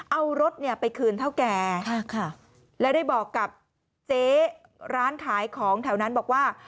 เอารถเนี่ยไปคืนเท่าแก่แล้วได้บอกกับเจ๊ร้านขายของแถวนั้นบอกว่า